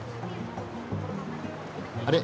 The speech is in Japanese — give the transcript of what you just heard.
あれ？